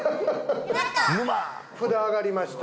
札挙がりました